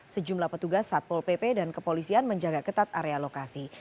sejumlah petugas satpol pp dan kepolisian menjaga ketat area lokasi